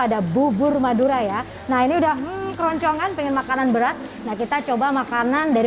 ada bubur madura ya nah ini udah keroncongan pengen makanan berat nah kita coba makanan dari